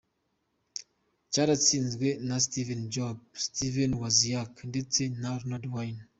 cyarashinzwe, na Steve Jobs, Steve Wozniak, ndetse na Ronald Wayne.